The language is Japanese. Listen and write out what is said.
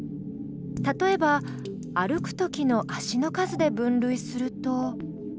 例えば歩く時の足の数で分類すると。